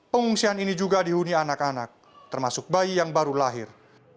pengungsian ini juga dihuni anak anak termasuk bayi yang baru lahir